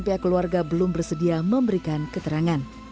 pihak keluarga belum bersedia memberikan keterangan